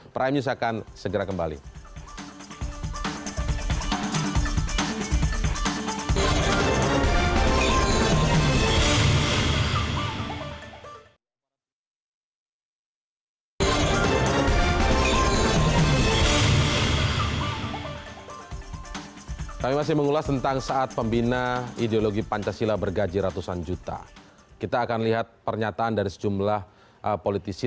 prime news akan segera kembali